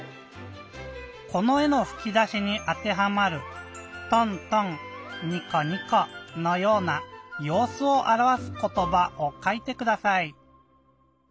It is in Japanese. このえのふき出しにあてはまる「とんとん」「にこにこ」のような「ようすをあらわすことば」をかいてください！